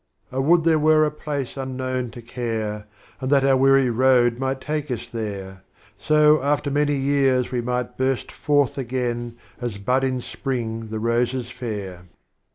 Oh would there were a Place unknown to care, And that our Weary Road might take us there ; So after many Years, we might burst forth Again, as bud in Spring the Roses fair.